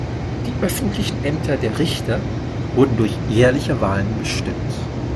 Die öffentlichen Ämter der Richter wurden durch jährliche Wahlen bestimmt.